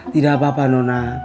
tidak apa apa nona